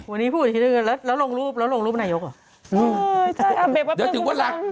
วันนี้พูดพี่ด้วยกันแล้วแล้วลงรูปนายกอ่ะไอ้ไอ้เอาบลง